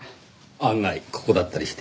案外ここだったりして。